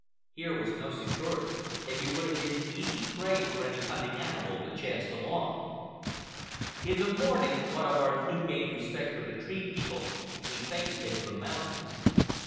Here was no security, and we would have been easy prey for any hunting animal that chanced along. In the morning, what of our new gained respect for the Tree People, we faced into the mountains.